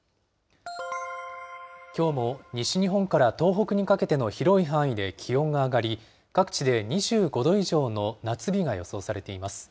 きょうも西日本から東北にかけての広い範囲で気温が上がり、各地で２５度以上の夏日が予想されています。